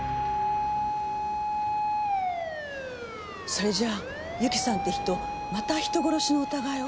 それじゃあ由紀さんって人また人殺しの疑いを？